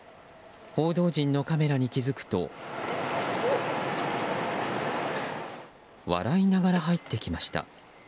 報道陣のカメラに気付くと笑いながら入ってきました。